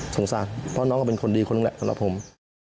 สงสัยเพราะน้องก็เป็นคนดีคนแรกสำหรับผม